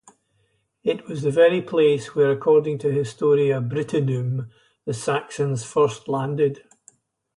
It was the very place where, according to Historia Brittonum, the Saxons first landed.